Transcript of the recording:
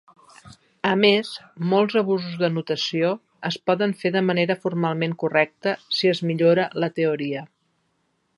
A més, molts abusos de notació es poden fer de manera formalment correcta si es millora la teoria.